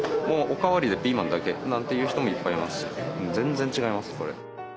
もうおかわりでピーマンだけなんていう人もいっぱいいますし。